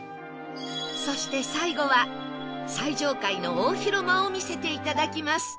そして最後は最上階の大広間を見せて頂きます